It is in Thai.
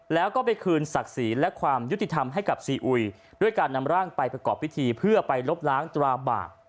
แล้วก็ไปคืนศักดิ์ศรีและความยุติธรรมให้กับซีอุยด้วยการนำร่างไปประกอบพิธีเพื่อไปลบล้างตราบาป